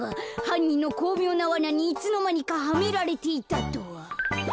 はんにんのこうみょうなわなにいつのまにかハメられていたとは。